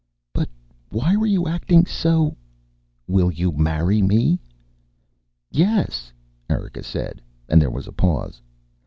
"But why were you acting so " "Will you marry me?" "Yes," Erika said, and there was a pause.